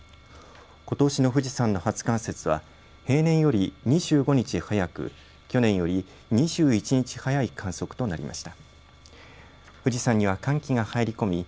ことしの富士山の初冠雪は平年より２５日早く去年より２１日早い観測となりました。